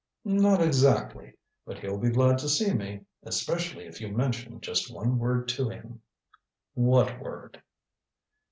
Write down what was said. "Not exactly. But he'll be glad to see me. Especially if you mention just one word to him." "What word?"